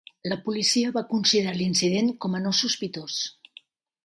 La policia va considerar l'incident com a "no sospitós".